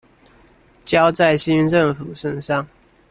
交在新政府身上